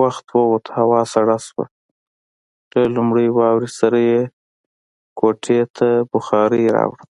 وخت ووت، هوا سړه شوه، له لومړۍ واورې سره يې کوټې ته بخارۍ راوړه.